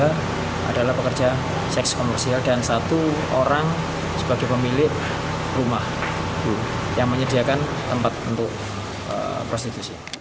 tiga adalah pekerja seks komersial dan satu orang sebagai pemilik rumah yang menyediakan tempat untuk prostitusi